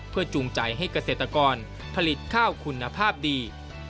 เพื่อจูงใจให้เกษตรกรผลิตข้าวคุณภาพดี